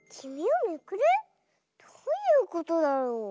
どういうことだろう？